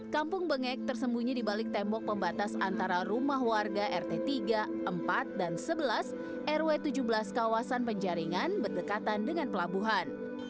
kampung bengek tersembunyi di balik tembok pembatas antara rumah warga rt tiga empat dan sebelas rw tujuh belas kawasan penjaringan berdekatan dengan pelabuhan